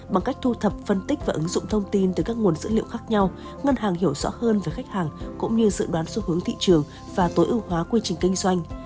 bằng cách thu thập phân tích và ứng dụng thông tin từ các nguồn dữ liệu khác nhau ngân hàng hiểu rõ hơn về khách hàng cũng như dự đoán xu hướng thị trường và tối ưu hóa quy trình kinh doanh